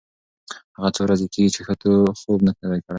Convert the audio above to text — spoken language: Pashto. هغه څو ورځې کېږي چې ښه خوب نه دی کړی.